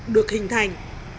được hình thành